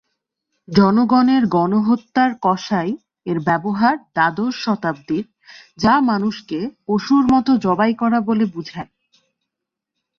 জনগণের গণহত্যার "কসাই" এর ব্যবহার দ্বাদশ শতাব্দীর, যা মানুষকে "পশুর মতো জবাই করা" বলে বোঝায়।